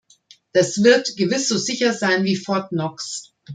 Das wird gewiss so sicher sein wie Fort Knox.